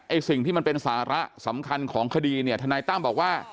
สิ่งที่มันเป็นสาระสำคัญของคดีเนี่ยทนายตั้มบอกว่า